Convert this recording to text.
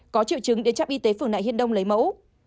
có triệu chứng đến chấp y tế phường nại hiên đông lấy mẫu